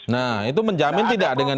tidak ada yang menguasai resistisi boleh saja